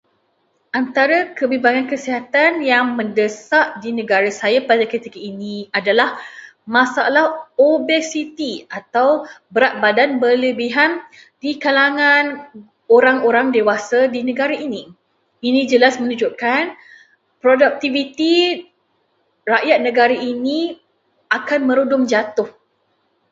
Antara kebimbangan kesihatan yang mendesak di negara saya pada ketika ini adalah masalah obesiti atau masalah berat badan berlebihan dalam kalangan orang-orang dewasa di negara ini. Ini jelas menunjukkan produktiviti rakyat negara ini akan merudum jatuh.